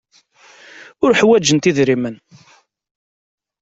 Ur ḥwajent idrimen.